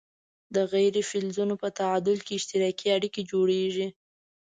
د غیر فلزونو په تعامل کې اشتراکي اړیکې جوړیږي.